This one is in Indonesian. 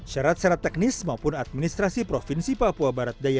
syarat syarat teknis maupun administrasi provinsi papua barat daya